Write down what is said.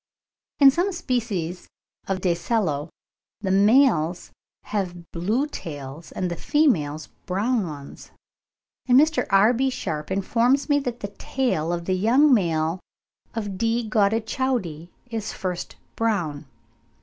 In some species of Dacelo the males have blue tails, and the females brown ones; and Mr. R.B. Sharpe informs me that the tail of the young male of D. gaudichaudi is at first brown.